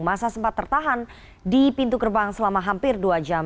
masa sempat tertahan di pintu gerbang selama hampir dua jam